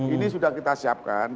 ini sudah kita siapkan